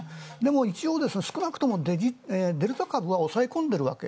一応少なくともデルタ株はおさえこんでいる。